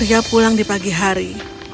ketika maria pulang di pagi hari